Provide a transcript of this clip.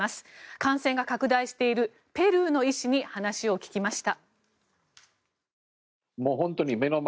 感染が拡大しているペルーの医師に話を聞きました。